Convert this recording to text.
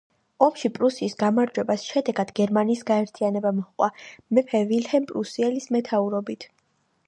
ომში პრუსიის გამარჯვებას შედეგად გერმანიის გაერთიანება მოყვა, მეფე ვილჰემ პრუსიელის მეთაურობით.